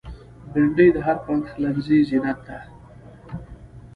بېنډۍ د هر پخلنځي زینت ده